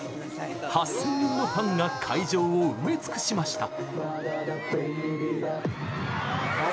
８０００人のファンが会場を埋め尽くしました。